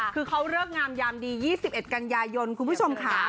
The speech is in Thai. คือเขาเลิกงามยามดี๒๑กันยายนคุณผู้ชมค่ะ